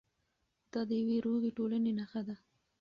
دا د یوې روغې ټولنې نښه ده.